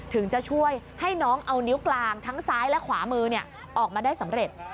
ถึงจะช่วยให้น้องเอานิ้วกลางทั้งซ้ายและขวามือออกมาได้สำเร็จ